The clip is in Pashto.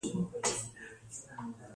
د میاشتنۍ ناروغۍ درد لپاره کوم چای وڅښم؟